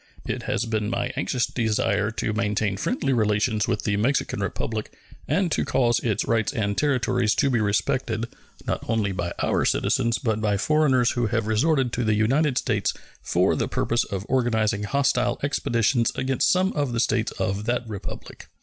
It has been my anxious desire to maintain friendly relations with the Mexican Republic and to cause its rights and territories to be respected, not only by our citizens, but by foreigners who have resorted to the United States for the purpose of organizing hostile expeditions against some of the States of that Republic.